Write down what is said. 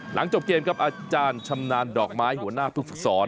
หลังจบเกมครับอาจารย์ชำนาญดอกไม้หัวหน้าผู้ฝึกสอน